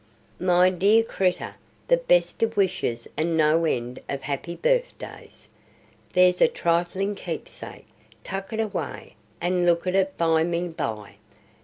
"My dear creeter, the best of wishes and no end of happy birthdays. There 's a triflin' keepsake; tuck it away, and look at it byme by.